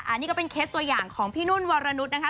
อันนี้ก็เป็นเคสตัวอย่างของพี่นุ่นวรนุษย์นะคะ